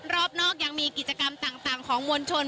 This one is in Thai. รอบนอกยังมีกิจกรรมต่างของมวลชน